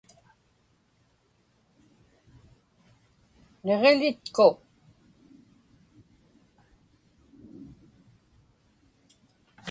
Niġiḷitku